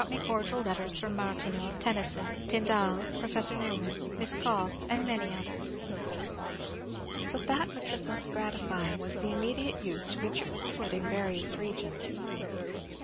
330 MONCUBE DANIEL CX)NWAY cordial letters from Martineau, Tennyson, Tyndall, Professor Newman, Miss Cobbe, and many others. But that which was most gratifying was the immediate use to which it was pot in various regions.